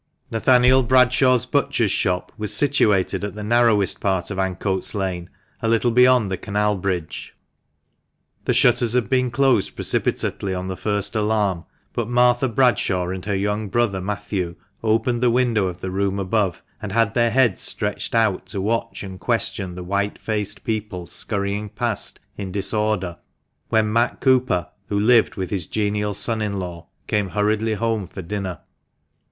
Nathaniel Bradshaw's butcher's shop was situated at the nar rowest part of Ancoats Lane, a little beyond the canal bridge. The shutters had been closed precipitately on the first alarm, but Martha Bradshaw and her young brother Matthew opened the window of the room above, and had their heads stretched out to watch and question the white faced people scurrying past in disorder, when Matt Cooper, who lived with his genial son in law, came hurriedly home for dinner.